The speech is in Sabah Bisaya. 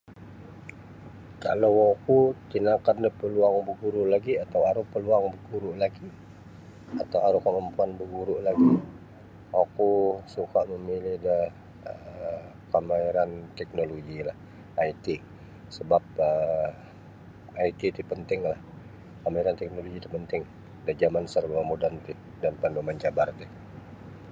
Kalau oku tinakan da paluang baguru lagi atau aru paluang baguru lagi atau aru kamampuan baguru lagi oku suka mamili' da um kamahiran teknologi lah IT sabab um IT ti panting lah kemahiran teknolog ti panting da jaman serba moden yang panuh mancabar ti.